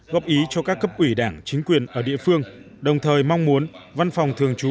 góp ý cho các cấp ủy đảng chính quyền ở địa phương đồng thời mong muốn văn phòng thường trú